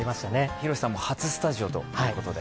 広瀬さんも初スタジオということで。